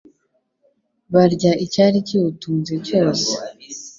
barya icyari kiwutunze cyose pe